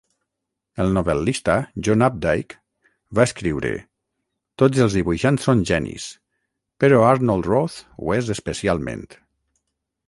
El novel·lista, John Updike, va escriure: "Tots els dibuixants són genis, però Arnold Roth ho és especialment".